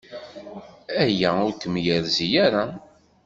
Aya ur kem-yerzi ara.